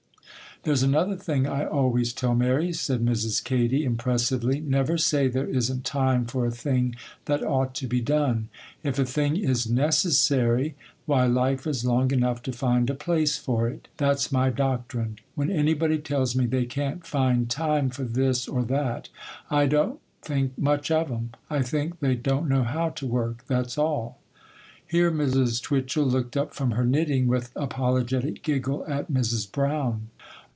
'There's another thing I always tell Mary,' said Mrs. Katy, impressively. '"Never say there isn't time for a thing that ought to be done. If a thing is necessary, why, life is long enough to find a place for it. That's my doctrine. When anybody tells me they can't find time for this or that, I don't think much of 'em. I think they don't know how to work,—that's all."' Here Mrs. Twitchel looked up from her knitting, with apologetic giggle at Mrs. Brown.